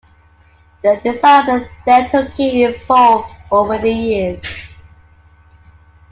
The design of the dental key evolved over the years.